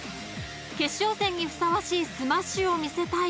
［決勝戦にふさわしいスマッシュを見せたい］